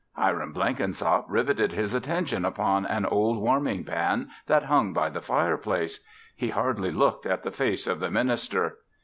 Hiram Blenkinsop riveted his attention upon an old warming pan that hung by the fireplace. He hardly looked at the face of the minister.